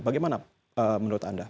bagaimana menurut anda